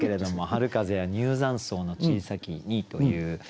「春風や入山僧の小さき荷」という。